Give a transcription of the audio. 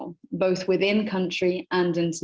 sekalian di dalam negara dan di luar negara